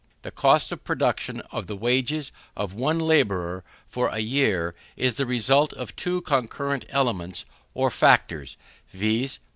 The cost of production of the wages of one labourer for a year, is the result of two concurrent elements or factors, viz.